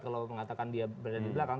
kalau mengatakan dia berada di belakang